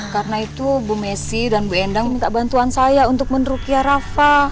karena itu bu messi dan bu endang minta bantuan saya untuk menerukiah rafa